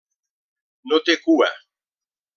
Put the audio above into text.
No té cua.